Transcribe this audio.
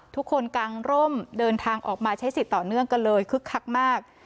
กลางร่มเดินทางออกมาใช้สิทธิ์ต่อเนื่องกันเลยคึกคักมาก